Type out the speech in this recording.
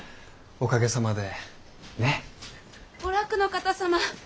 お楽の方様。